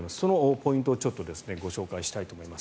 そのポイントをご紹介したいと思います。